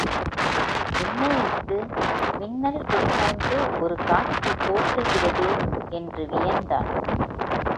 என்னே இஃது, மின்னல் கொடிபோன்று ஒரு காட்சி தோற்றுகிறதே என்று வியந்தான்.